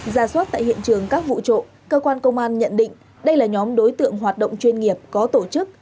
ra soát tại hiện trường các vụ trộm cơ quan công an nhận định đây là nhóm đối tượng hoạt động chuyên nghiệp có tổ chức